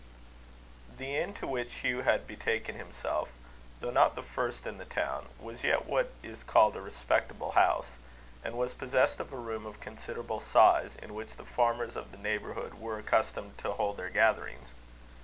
The inn to which Hugh had betaken himself, though not the first in the town, was yet what is called a respectable house, and was possessed of a room of considerable size, in which the farmers of the neighbourhood were accustomed to hold their gatherings.